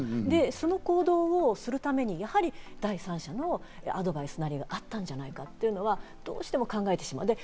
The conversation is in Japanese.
その行動をするために、やはり第三者のアドバイスなりがあったんじゃないかというのはどうしても考えてしまう。